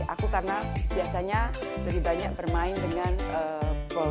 aku karena biasanya lebih banyak bermain dengan gol